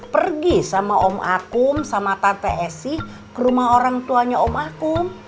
pergi sama om akum sama tante esi ke rumah orang tuanya om akum